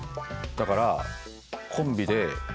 だからあ！